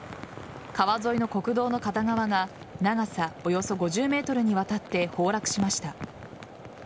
川沿いの国道の片側が長さおよそ６０ｍにわたって崩落しました。